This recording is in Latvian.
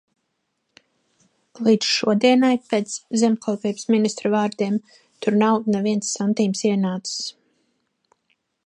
Līdz šodienai, pēc zemkopības ministra vārdiem, tur nav neviens santīms ienācis.